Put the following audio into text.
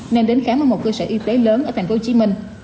nên đến khám ở một cơ sở y tế lớn ở thành phố hồ chí minh